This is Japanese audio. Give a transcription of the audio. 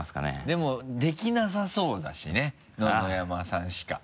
でもできなさそうだしね野々山さんしか。